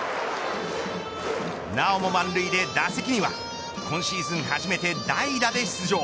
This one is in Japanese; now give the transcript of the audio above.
なおも満塁で打席には今シーズン初めて代打で出場。